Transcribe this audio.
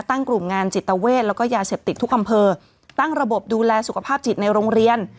กลุ่มงานจิตเวทแล้วก็ยาเสพติดทุกอำเภอตั้งระบบดูแลสุขภาพจิตในโรงเรียน